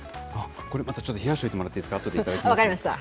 これ、またちょっと冷やしておいてもらっていいですか、あと分かりました。